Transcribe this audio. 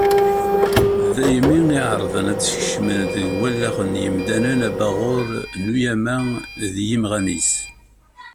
Daymi i εerrḍen ad skecmen deg wallaɣen n yimdanen abaɣur n ugama d yimɣan-is.